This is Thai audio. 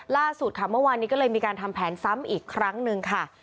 ล่าสุดค่ะเมื่อวานนี้ก็เลยมีการทำแผนซ้ำอีกครั้งหนึ่งค่ะ